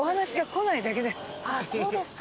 そうですか。